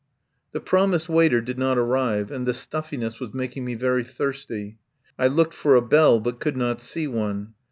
The promised waiter did not arrive, and the stuffiness was making me very thirsty. I looked for a bell, but could not see one.